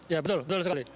ya betul sekali